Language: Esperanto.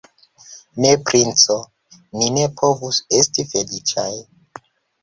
Ne, princo, ni ne povus esti feliĉaj.